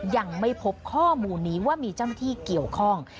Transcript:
ยังไม่พบข้อมูลนี้ว่ามีเจ้าหน้าที่เกี่ยวข้อง